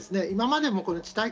今までも地